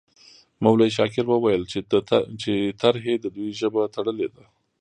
مولوي شاکر وویل چې ترهې د دوی ژبه تړلې ده.